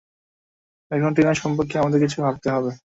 এখন টিনার সম্পর্কে আমাদের কিছু ভাবতে হবে।